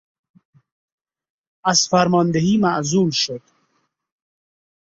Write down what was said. از فرماندهی معزول شد.